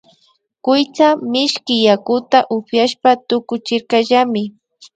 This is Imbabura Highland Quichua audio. Kuytsa mishki yakuta upiashpa tukuchirkallami